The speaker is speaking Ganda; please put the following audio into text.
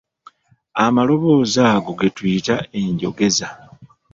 Amaloboozi ago ge tuyita enjogeza.